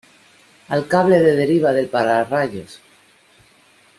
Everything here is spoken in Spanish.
al cable de deriva del para -- rayos